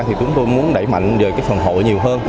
thì chúng tôi muốn đẩy mạnh về cái phần hội nhiều hơn